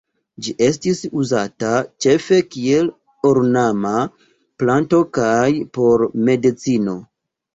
Ĝi estis uzata ĉefe kiel ornama planto kaj por medicino.